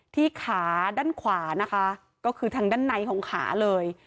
ที่ขาด้านขวานะคะก็คือทางด้านในของขาเลย